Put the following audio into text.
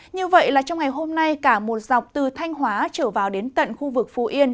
như vậy là trong ngày hôm nay cả một dọc từ thanh hóa trở vào đến tận khu vực phú yên